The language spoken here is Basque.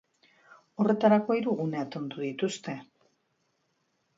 Horretarako, hiru gune atondu dituzte.